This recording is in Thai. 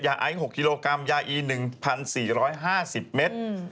ไอ๖กิโลกรัมยาอี๑๔๕๐เมตร